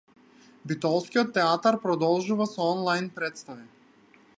Битолскиот театар продолжува со онлајн претстави